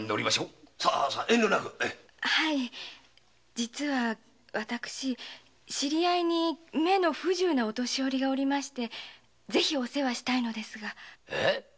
実は私知り合いに目の不自由なお年寄りがおりましてぜひお世話したいのですが。